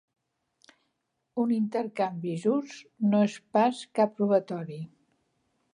Un intercanvi just no és pas cap robatori.